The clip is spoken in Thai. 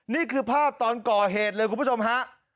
นี่คือภาพตอนก่อเหตุเลยคุณผู้ชมฮะ